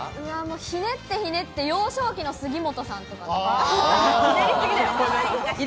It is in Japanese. ひねってひねって幼少期の杉本さん。